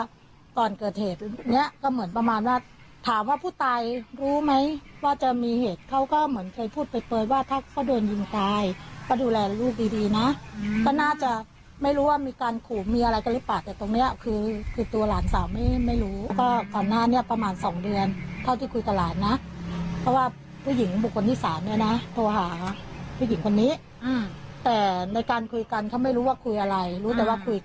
ว่าก่อนเกิดเหตุแบบนี้ก็เหมือนประมาณว่าถามว่าผู้ตายรู้ไหมว่าจะมีเหตุเขาก็เหมือนเคยพูดเป็นเปิดว่าถ้าเขาเดินยิงตายก็ดูแลลูกดีนะก็น่าจะไม่รู้ว่ามีการขุมีอะไรกันหรือเปล่าแต่ตรงเนี้ยคือคือตัวหลานสาวไม่รู้ก็ก่อนหน้านี้ประมาณสองเดือนเขาจะคุยกับหลานนะเพราะว่าผู้หญิงบุคคลที่สามด้วยนะโทรหาผู้ห